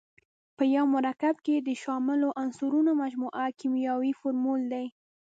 په یو مرکب کې د شاملو عنصرونو مجموعه کیمیاوي فورمول دی.